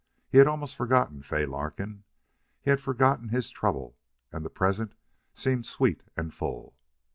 He had almost forgotten Fay Larkin; he had forgotten his trouble; and the present seemed sweet and full.